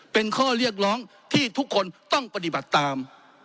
เป็นข้อเรียกร้องที่ทุกคนต้องปฏิบัติตาม